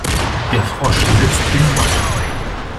Der Frosch sitzt im Wasser.